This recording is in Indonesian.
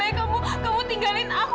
baik kamu tinggalin aku